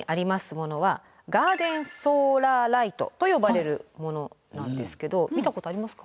ものはガーデンソーラーライトと呼ばれるものなんですけど見たことありますか？